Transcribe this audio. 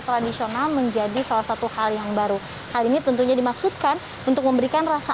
tradisional menjadi salah satu hal yang baru hal ini tentunya dimaksudkan untuk memberikan rasa